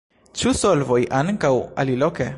Ĉu solvoj ankaŭ aliloke?